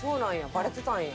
バレてたんや。